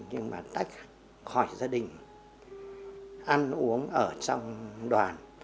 nhưng mà tách khỏi gia đình ăn uống ở trong đoàn